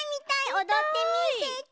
おどってみせて！